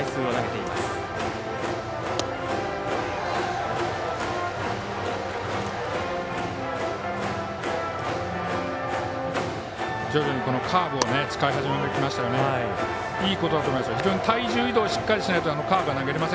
いいことだと思います。